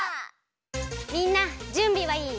みんなじゅんびはいい？